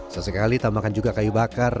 sesekali tambahkan juga kayu bakar